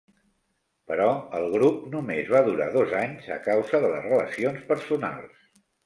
Però el grup només va durar dos anys, a causa de les relacions personals.